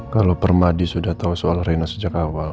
kalau permadi sudah tahu soal rena sejak awal